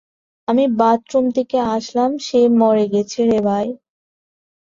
আমি বাথরুম থেকে আসলাম, সে মরে গেছে রে ভাই!